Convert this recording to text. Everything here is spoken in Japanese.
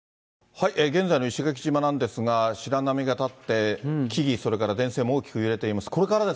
現在の石垣島なんですが、白波が立って、木々、それから電線も大きく揺れています。